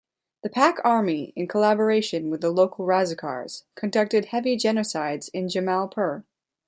The Pak army, in collaboration with the local razakars, conducted heavy genocides in Jamalpur.